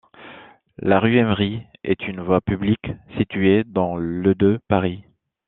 La rue Emmery est une voie publique située dans le de Paris.